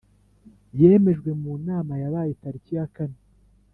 yemejwe mu nama yabaye tariki ya kane